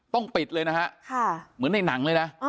ต้องปิดเลยนะฮะเหมือนในหนังเลยนะ